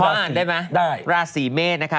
พออ่านได้ไหมราศีเมศนะคะ